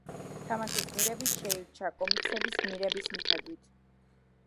თამაშის გმირები შეირჩა კომიქსების გმირების მიხედვით.